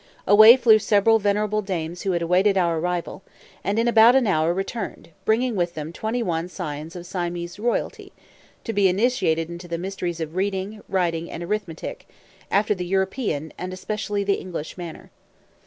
Away flew several venerable dames who had awaited our arrival, and in about an hour returned, bringing with them twenty one scions of Siamese royalty, to be initiated into the mysteries of reading, writing, and arithmetic, after the European, and especially the English manner.